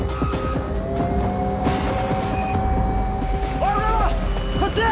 おいこっちや！